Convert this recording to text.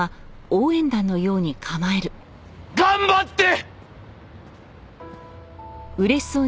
頑張って！